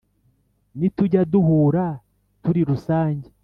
nitujya duhura turi rusange